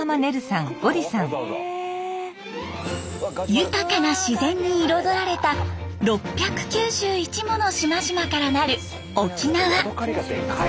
豊かな自然に彩られた６９１もの島々からなる沖縄。